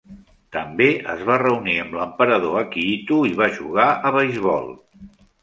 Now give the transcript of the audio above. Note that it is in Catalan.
També es va reunir amb l'emperador Akihito i va jugar a beisbol.